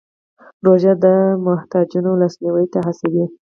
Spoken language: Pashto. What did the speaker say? روژه د محتاجانو لاسنیوی ته هڅوي.